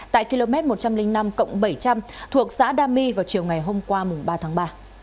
tại km một trăm linh năm bảy trăm linh thuộc xã đa my vào chiều ngày hôm qua ba tháng ba